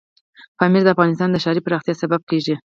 پامیر د افغانستان د ښاري پراختیا سبب کېږي.